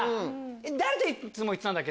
誰といつも行ってたんだっけ？